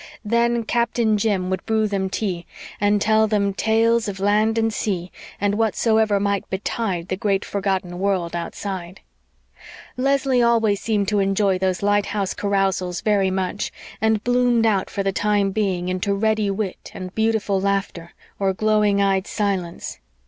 Then Captain Jim would brew them tea and tell them "tales of land and sea And whatsoever might betide The great forgotten world outside." Leslie seemed always to enjoy those lighthouse carousals very much, and bloomed out for the time being into ready wit and beautiful laughter, or glowing eyed silence.